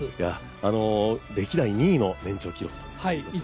歴代２位の年長記録ということになりますね。